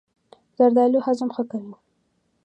زردالو هضم ښه کوي.